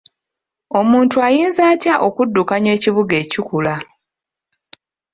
Omuntu ayinza atya okuddukanya ekibuga ekikula?